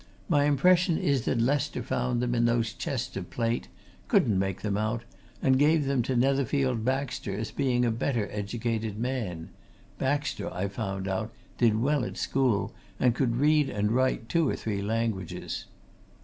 My impression is that Lester found them in those chests of plate, couldn't make them out, and gave them to Netherfield Baxter, as being a better educated man Baxter, I found out, did well at school and could read and write two or three languages.